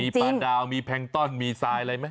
มีปลาดาวมีแพงตอนมีซายอะไรมั้ย